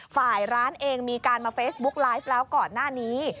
ฝ่ายร้านเองมีการมาเฟซบุ๊กไลฟ์แล้วก่อนหน้านี้